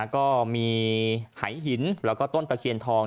ก็มีหายหินแล้วก็ต้นตะเคียนทอง